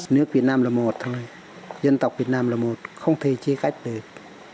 nước việt nam là một thời dân tộc việt nam là một không thể chia cách được